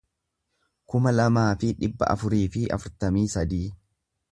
kuma lamaa fi dhibba afurii fi afurtamii sadii